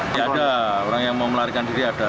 tidak ada orang yang mau melarikan diri ada